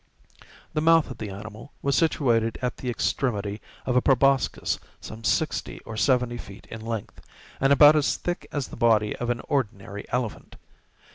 The mouth of the animal was situated at the extremity of a proboscis some sixty or seventy feet in length, and about as thick as the body of an ordinary elephant.